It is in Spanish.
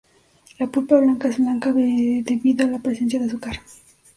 La pulpa blanca es blanca debido a la presencia de azúcar.